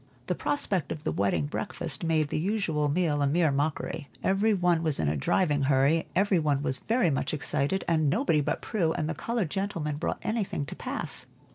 The prospect of the wedding breakfast made the usual meal a mere mockery. Every one was in a driving hurry, every one was very much excited, and nobody but Prue and the colored gentlemen brought anything to pass.